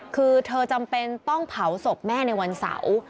คือเธอจำเป็นต้องเผาศพแม่ในวันเสาร์